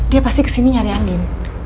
dia pasti kesini nyari angin